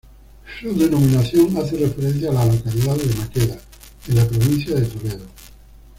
Su denominación hace referencia a la localidad de Maqueda, en la provincia de Toledo.